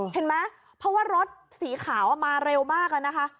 เห็นไหมเพราะว่ารถสีขาวมาเร็วมากอะนะคะ